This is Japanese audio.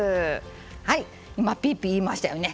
はい今ピーピーいいましたよね。